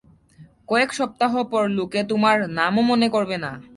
কয়েক সপ্তাহ পর লোকে তোমার নামও মনে করবে না।